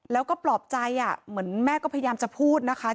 แล้วก็ปลอบใจเหมือนแม่ก็พยายามจะพูดนะคะ